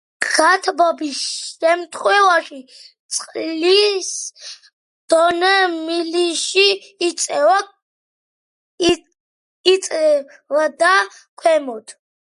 გათბობის შემთხვევაში წყლის დონე მილში იწევდა ქვემოთ.